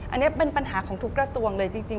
อันนี้เป็นปัญหาของทุกกระทรวงเลยจริง